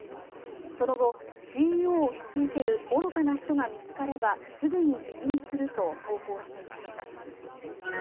その後、ＣＥＯを引き受ける愚かな人が見つかればすぐに辞任すると投稿していました。